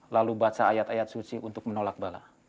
lalu baca ayat ayat susi untuk menolak bala